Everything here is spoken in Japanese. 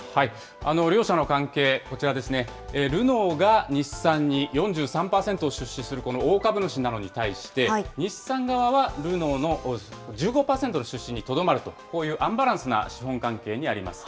両社の関係、こちらですね、ルノーが日産に４３％を出資する大株主なのに対して、日産側はルノーのおよそ１５％の出資にとどまるという、こういうアンバランスな資本関係にあります。